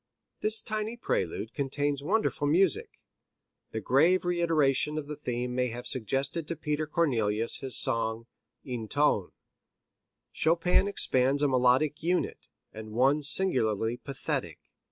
This tiny prelude contains wonderful music. The grave reiteration of the theme may have suggested to Peter Cornelius his song "Ein Ton." Chopin expands a melodic unit, and one singularly pathetic.